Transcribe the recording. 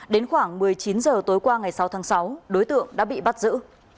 đến khoảng một mươi chín h tối qua ngày sáu tháng sáu đối tượng đã bị bắt giữ